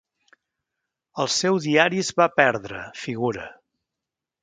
El seu diari es va perdre, figura.